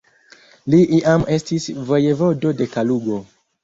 Li iam estis vojevodo de Kalugo.